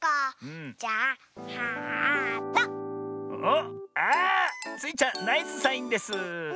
おっあスイちゃんナイスサインです。